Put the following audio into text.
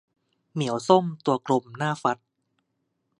เหมียวส้มตัวกลมน่าฟัด